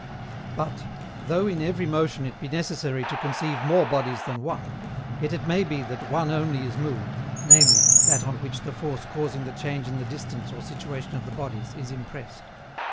But, though in every motion it be necessary to conceive more bodies than one, yet it may be that one only is moved, namely, that on which the force causing the change in the distance or situation of the bodies, is impressed.